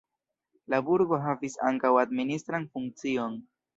La burgo havis ankaŭ administran funkcion.